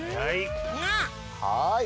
はい。